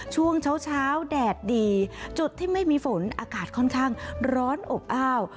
ช่วงเช้าแดดดีจุดที่ไม่มีฝนอากาศค่อนข้างร้อนอบอ้าว